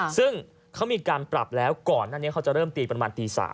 ซึ่งเขามีการปรับแล้วก่อนหน้านี้เขาจะเริ่มตีประมาณตี๓